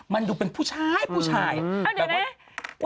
ไม่เตะพี่ใช่ไหม